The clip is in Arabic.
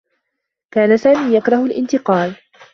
كان سامي يكره الانتقال.